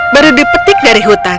baru dipetik dari hutan